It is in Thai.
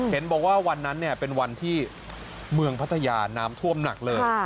เห็นบอกว่าวันนั้นเป็นวันที่เมืองพัทยาน้ำท่วมหนักเลย